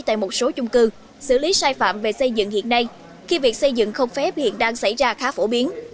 tại một số chung cư xử lý sai phạm về xây dựng hiện nay khi việc xây dựng không phép hiện đang xảy ra khá phổ biến